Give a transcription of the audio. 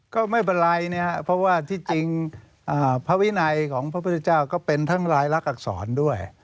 ก็ไม่เป็นไรนะฮะเพราะว่าที่จริงภาวินัยของพระพระเจ้าก็เป็นทั้งรายลักษณ์อักษรด้วย